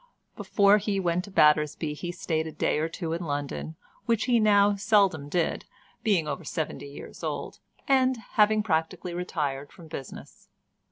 Before he went to Battersby he stayed a day or two in London, which he now seldom did, being over seventy years old, and having practically retired from business.